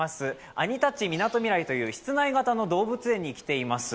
アニタッチみなとみらいという室内型の動物園に来ています。